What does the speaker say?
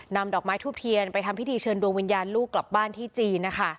ดอกไม้ทูบเทียนไปทำพิธีเชิญดวงวิญญาณลูกกลับบ้านที่จีนนะคะ